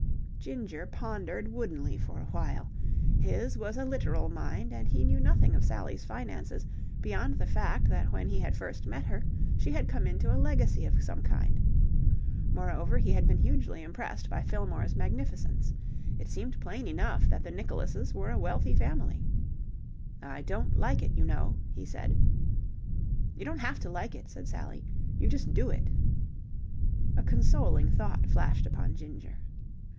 Ginger pondered woodenly for a while. His was a literal mind, and he knew nothing of Sally's finances beyond the fact that when he had first met her she had come into a legacy of some kind. Moreover, he had been hugely impressed by Fillmore's magnificence. It seemed plain enough that the Nicholases were a wealthy family. "I don't like it, you know," he said. "You don't have to like it," said Sally. "You just do it." A consoling thought flashed upon Ginger.